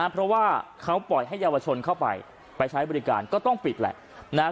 เพราะว่าเขาปล่อยให้เยาวชนเข้าไปไปใช้บริการก็ต้องปิดแหละ